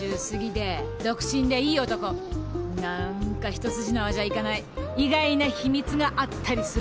なんか一筋縄じゃいかない意外な秘密があったりするかも。